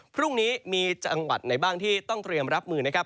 พรุ่งนี้มีจังหวัดไหนบ้างที่ต้องเตรียมรับมือนะครับ